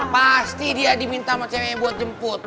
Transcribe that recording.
pasti dia diminta sama ceweknya buat jemput